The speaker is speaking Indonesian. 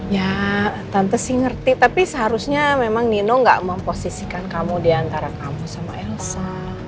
ya tante sih ngerti tapi seharusnya memang nino gak memposisikan kamu diantara kamu sama elsa